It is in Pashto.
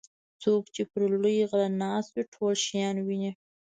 څوک چې پر لوی غره ناست وي ټول شیان ویني.